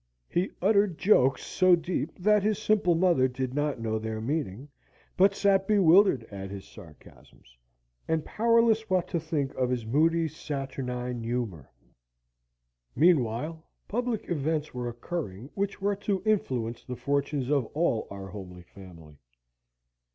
He uttered jokes so deep that his simple mother did not know their meaning, but sate bewildered at his sarcasms, and powerless what to think of his moody, saturnine humour. Meanwhile, public events were occurring which were to influence the fortunes of all our homely family.